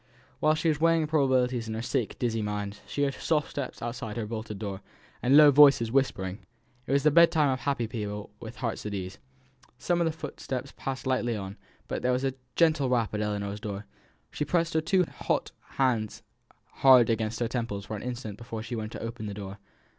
While she was weighing probabilities in her sick dizzy mind, she heard soft steps outside her bolted door, and low voices whispering. It was the bedtime of happy people with hearts at ease. Some of the footsteps passed lightly on; but there was a gentle rap at Ellinor's door. She pressed her two hot hands hard against her temples for an instant before she went to open the door.